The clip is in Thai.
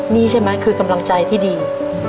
นี่ใช่ไหมคือกำลังใจที่ดี